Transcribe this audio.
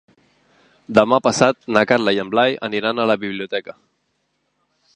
Demà passat na Carla i en Blai aniran a la biblioteca.